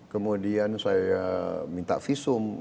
kemudian saya minta visum